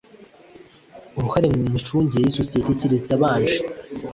uruhare mu micungire y isosiyete keretse abanje